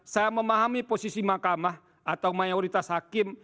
saya memahami posisi mahkamah atau mayoritas hakim